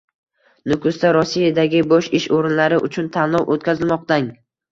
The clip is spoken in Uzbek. Nukusda Rossiyadagi bo‘sh ish o‘rinlari uchun tanlov o‘tkazilmoqdang